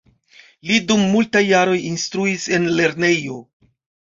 Li dum multaj jaroj instruis en lernejo.